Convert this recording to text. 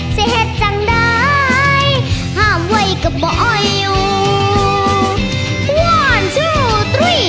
เสียเฮ็ดจังได้ห้ามไว้กับบ่ออยู่